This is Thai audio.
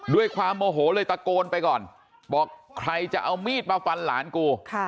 ด้วยความโมโหเลยตะโกนไปก่อนบอกใครจะเอามีดมาฟันหลานกู